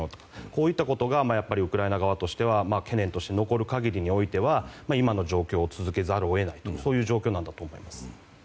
こういったことがウクライナ側としては懸念として残る限りにおいては今の状況を続けざるを得ないという状況なんだと思います。